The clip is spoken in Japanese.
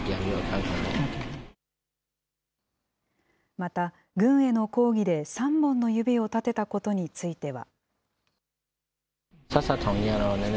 また、軍への抗議で３本の指を立てたことについては。